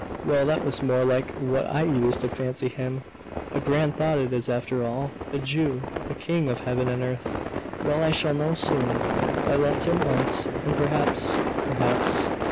Well that was more like what I used to fancy Him....A grand thought it is after all a Jew the king of heaven and earth!.... Well I shall know soon.... I loved Him once,.... and perhaps....perhaps....